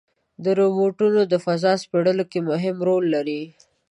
روبوټونه د فضا سپړلو کې مهم رول لري.